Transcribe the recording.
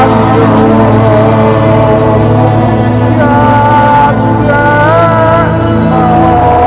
tidak perlu kalian bersusah payah